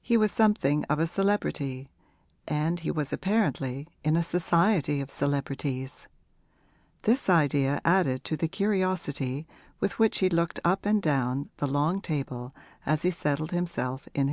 He was something of a celebrity and he was apparently in a society of celebrities. This idea added to the curiosity with which he looked up and down the long table as he settled himself in his place.